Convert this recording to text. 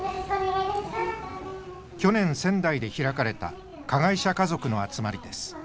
去年仙台で開かれた加害者家族の集まりです。